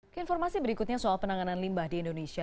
keinformasi berikutnya soal penanganan limbah di indonesia